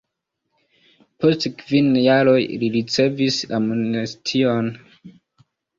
Post kvin jaroj li ricevis amnestion.